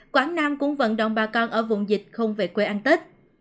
quảng nam cũng vận động bà con ở vùng dịch không về quê ăn tết